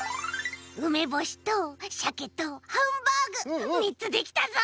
うめぼしとシャケとハンバーグ３つできたぞ。